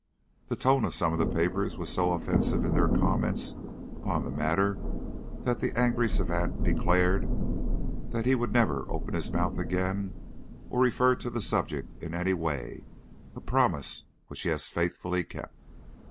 The tone of some of the papers was so offensive in their comments upon the matter that the angry savant declared that he would never open his mouth again or refer to the subject in any way a promise which he has faithfully kept.